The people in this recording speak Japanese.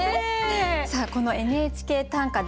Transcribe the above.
この「ＮＨＫ短歌」